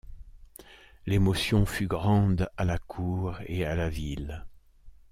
L’émotion fut grande à la Cour et à la ville.